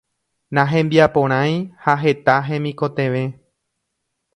Nahembiaporãi ha heta hemikotevẽ